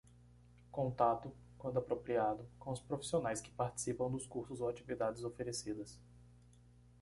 Contato, quando apropriado, com os profissionais que participam dos cursos ou atividades oferecidas.